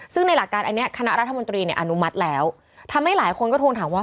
ซึ่งในหลักการอันนี้คณะรัฐมนตรีเนี่ยอนุมัติแล้วทำให้หลายคนก็ทวงถามว่า